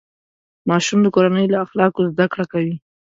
ماشوم د کورنۍ له اخلاقو زده کړه کوي.